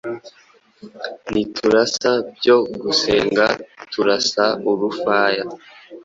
Ntiturasa byo gusenga turasa urufaya